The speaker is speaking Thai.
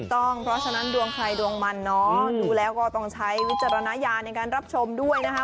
ถูกต้องเพราะฉะนั้นดวงใครดวงมันเนาะดูแล้วก็ต้องใช้วิจารณญาณในการรับชมด้วยนะคะ